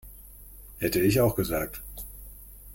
Hätte ich auch gesagt.